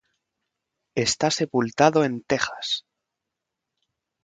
Está sepultado en Texas.